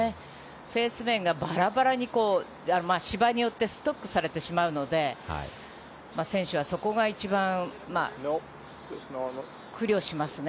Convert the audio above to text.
フェース面がバラバラに芝によってストックされてしまうので選手はそこが一番苦慮しますね。